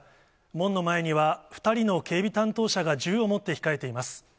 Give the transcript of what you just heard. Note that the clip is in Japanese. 門の前には、２人の警備担当者が銃を持って控えています。